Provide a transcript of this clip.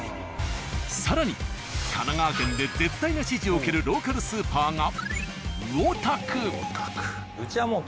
更に神奈川県で絶大な支持を受けるローカルスーパーが。